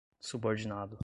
subordinado